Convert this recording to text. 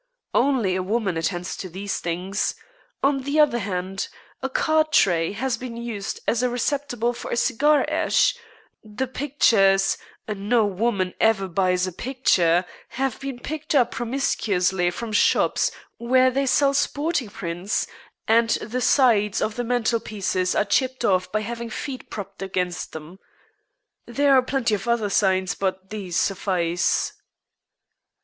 Only a woman attends to these things. On the other hand, a card tray has been used as a receptacle for a cigar ash, the pictures no woman ever buys a picture have been picked up promiscuously from shops where they sell sporting prints, and the sides of the mantelpieces are chipped by having feet propped against them. There are plenty of other signs, but these suffice."